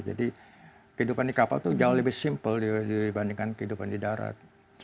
jadi kehidupan di kapal itu jauh lebih simpel dibandingkan kehidupan di darat